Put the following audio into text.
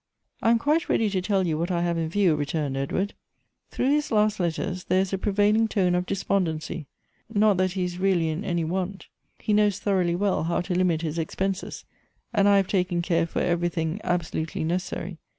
" I am quite ready to tell you what I have in view," returned Edward. " Through his last letters there is a prevailing tone of despondency ; not that he is really in 4 Goetde's any want. He knows thoroughly well how to limit his expenses; and I have taken care for everything absolute ly necessary.